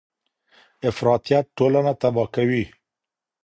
افراطیت ټولنه تباه کوي.